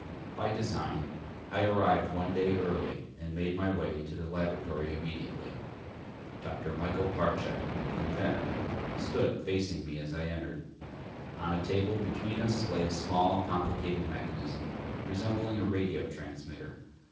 By design, I arrived one day early and made my way to the laboratory immediately. Dr. Michael Parchak, the inventor, stood facing me as I entered. On a table between us lay a small complicated mechanism resembling a radio transmitter.